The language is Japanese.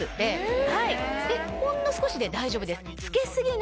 ほんの少しで大丈夫です。